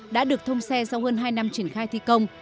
đã được thông xe sau hơn hai năm triển khai thi công